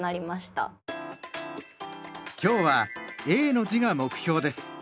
今日は「永」の字が目標です。